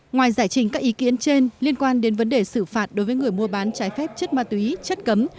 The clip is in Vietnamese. ngoài giải trình các ý kiến trên liên quan đến vấn đề xử phạt đối với người mua bán trái phép chất ma túy chất cấm